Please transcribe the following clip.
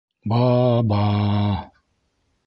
— Ба-ба-а!